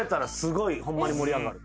ホンマに盛り上がる。